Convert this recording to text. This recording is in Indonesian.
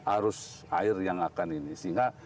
arus air yang akan ini sehingga